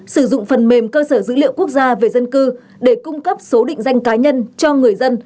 sử dụng phần mềm cơ sở dữ liệu quốc gia về dân cư để cung cấp số định danh cá nhân cho người dân